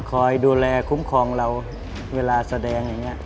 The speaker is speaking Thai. คอยดูแลคุ้มครองเราเวลาแสดงอย่างนี้